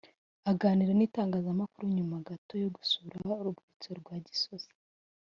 Aganira n’itangazamakuru nyuma gato yo gusura urwibutso rwa Gisozi